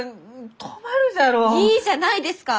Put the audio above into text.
いいじゃないですか！